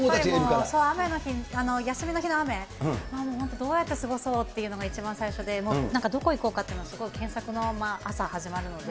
雨の日、休みの日の雨、もう本当どうやって過ごそうというのが一番最初で、なんかどこ行こうかっていうのをすごい検索の、朝始まるので。